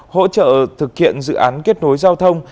hỗ trợ thực hiện dự án kết nối giao thông